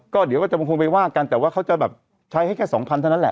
ก็เดี๋ยวก็จะคงไปว่ากันแต่ว่าเขาจะแบบใช้ให้แค่สองพันเท่านั้นแหละ